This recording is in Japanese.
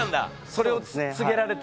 それを告げられて。